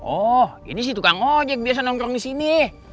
oh ini sih tukang ojek biasa nongkrong di sini